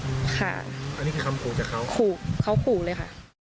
อันนี้คือคำขู่จากเขาขู่เขาขู่เลยค่ะ